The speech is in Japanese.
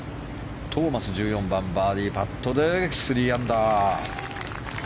トーマス、１４番バーディーパットで３アンダー。